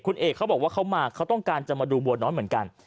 คุณเอกเขาบอกว่าเขามาเขาต้องการจะมาดูบัวน้อยเหมือนกัน